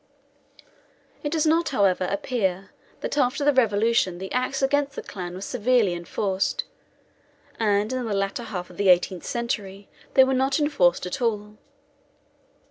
It does not, however, appear that after the Revolution the acts against the clan were severely enforced; and in the latter half of the eighteenth century, they were not enforced at all.